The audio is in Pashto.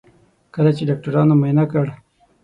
کله چې ډاکټرانو معاینه کړ.